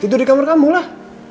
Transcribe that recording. itu di kamar kamu lah